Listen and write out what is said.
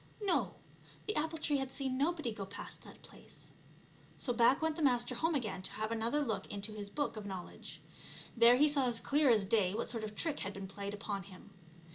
No, the apple tree had seen nobody go past that place. So back went the Master home again to have another look into his Book of Knowledge. There he saw as clear as day what sort of trick had been played upon him.